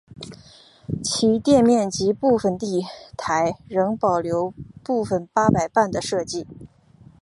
其店面及部份地台仍保留部份八佰伴的设计。